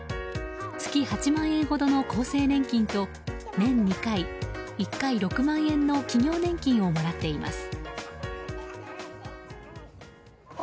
月８万円ほどの厚生年金と年２回１回６万円の企業年金をもらっています。